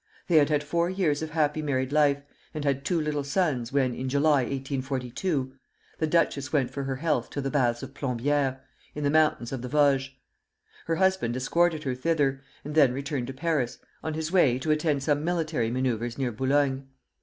They had had four years of happy married life, and had two little sons, when, in July, 1842, the duchess went for her health to the baths of Plombières, in the mountains of the Vosges. Her husband escorted her thither, and then returned to Paris, on his way to attend some military manoeuvres near Boulogne.